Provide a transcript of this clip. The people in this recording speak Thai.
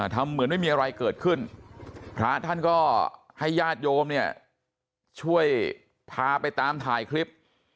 ทำเหมือนไม่มีอะไรเกิดขึ้นพระท่านก็ให้ญาติโยมเนี่ยช่วยพาไปตามถ่ายคลิป